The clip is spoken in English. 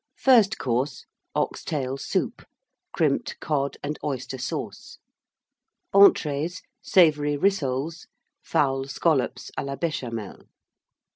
FIRST COURSE. Ox tail Soup. Crimped Cod and Oyster Sauce. ENTREES. Savoury Rissoles. Fowl Scollops à la Béchamel.